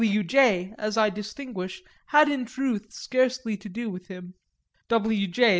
W. J., as I distinguish, had in truth scarcely to do with him W. J.